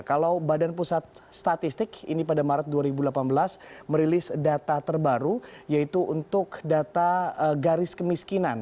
kalau badan pusat statistik ini pada maret dua ribu delapan belas merilis data terbaru yaitu untuk data garis kemiskinan